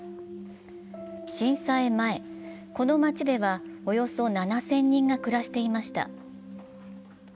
震災前、この町ではおよそ７０００人が暮らしていました。